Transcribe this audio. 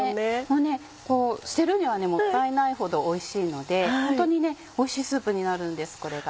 もう捨てるにはもったいないほどおいしいのでホントにおいしいスープになるんですこれが。